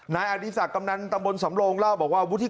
นายอดีศักดิ์กำนันตำบลสำโลงเล่าบอกว่า